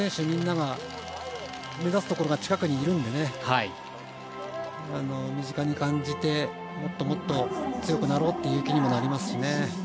みんなが目指す所が近くにいるので身近に感じて、もっと強くなろうという気にもなりますしね。